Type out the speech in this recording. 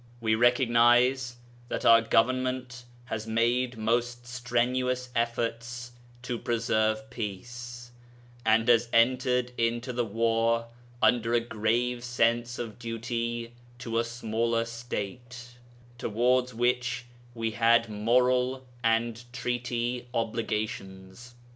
We recognize that our Government has made most strenuous efforts to preserve peace, and has entered into the war under a grave sense of duty to a smaller State, towards which we had moral and treaty obligations.